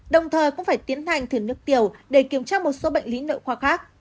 đồng thời cũng phải tiến hành thử nước tiểu để kiểm tra một số bệnh lý nợ khoa khác